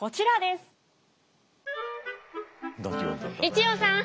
・一葉さん！